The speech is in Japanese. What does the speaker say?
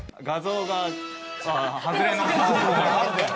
画像が。